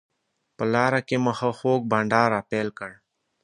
په لاره کې مو ښه خوږ بانډار راپیل کړ.